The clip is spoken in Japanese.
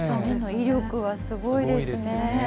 威力はすごいですね。